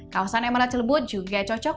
kawasan emerald celebut juga cocok